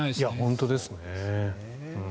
本当ですね。